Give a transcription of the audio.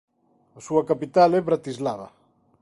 A súa capital é Bratislava.